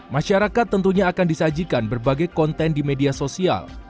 masyarakat tentunya akan disajikan berbagai konten di media sosial